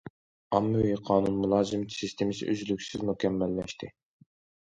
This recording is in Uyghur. ئاممىۋى قانۇن مۇلازىمىتى سىستېمىسى ئۈزلۈكسىز مۇكەممەللەشتى.